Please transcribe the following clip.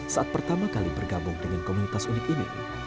saat pertama kali bergabung dengan komunitas unik ini